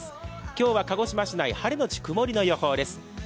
今日は鹿児島市内、晴れ後曇りの予想です。